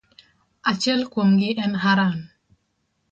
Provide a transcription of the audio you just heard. Achiel kuomgi en Haran.